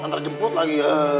ntar jemput lagi ya